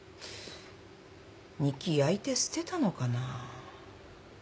日記焼いて捨てたのかな。